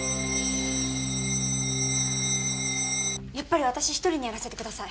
やっぱり私一人にやらせてください